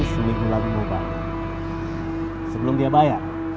sebelum dia bayar